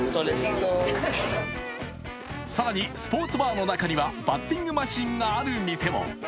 更にスポーツバーの中には、バッティングマシーンがある店も。